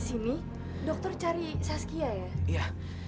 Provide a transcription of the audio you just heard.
ini dia dokternya di tempatnya